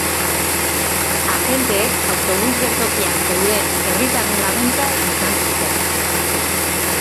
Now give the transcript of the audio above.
Agenteek autobus-geltokian zeuden herritarren laguntza izan zuten.